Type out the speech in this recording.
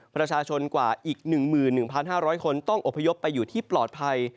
ประชาชนกว่าอีก๑๑๕๐๐คนต้องอบพยพไปอยู่ที่ปลอดภัย